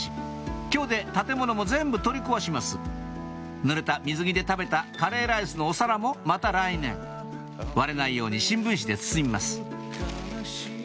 今日で建物も全部取り壊しますぬれた水着で食べたカレーライスのお皿もまた来年割れないように新聞紙で包みます